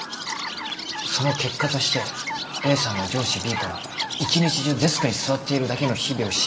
その結果としてＡさんは上司Ｂから一日中デスクに座っているだけの日々を強いられたんだ。